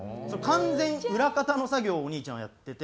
完全裏方の作業をお兄ちゃんはやってて。